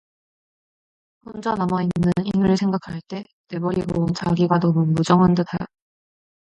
혼자 남아 있는 인우를 생각할 때 내버리고 온 자기가 너무 무정한 듯하였다.